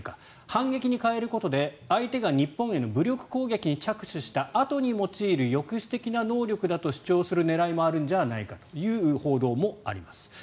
反撃に変えることで相手が日本への武力攻撃に着手したあとに用いる抑止的な能力だと主張する狙いもあるんじゃないかという報道もあります。